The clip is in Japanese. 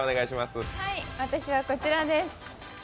私は、こちらです。